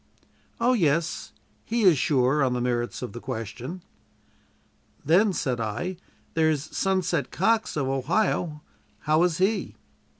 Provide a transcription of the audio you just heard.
"Oh, yes; he is sure on the merits of the question." "Then," said I, "there's 'Sunset' Cox, of Ohio. How is he?"